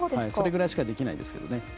それぐらいしかできないんですけどね。